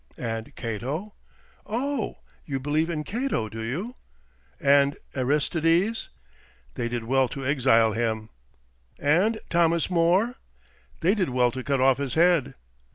"And Cato?" "Oh, you believe in Cato, do you?" "And Aristides?" "They did well to exile him." "And Thomas More?" "They did well to cut off his head."